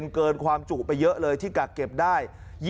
เกินความจุไปเยอะเลยที่กักเก็บได้